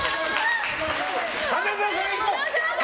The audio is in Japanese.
花澤さん、いこう！